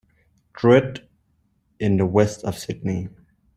Druitt in the west of Sydney.